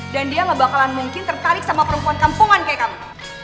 dan dia gak bakalan mungkin tertarik sama perempuan kampungan kayak kamu